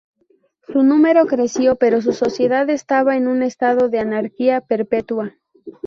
Su número creció, pero su sociedad estaba en un estado de anarquía perpetua.